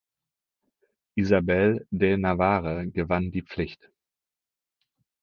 Isabel de Navarre gewann die Pflicht.